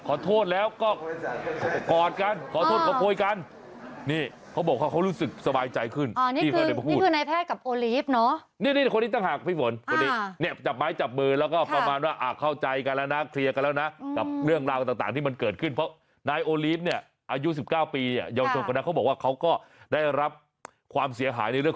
ความเสียหายในเรื่องของชื่อเสียง